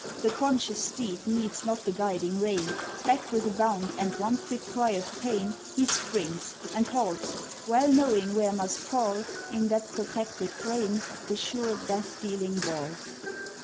The conscious steed needs not the guiding rein; Back with a bound and one quick cry of pain He springs, and halts, well knowing where must fall In that protected frame, the sure death dealing ball.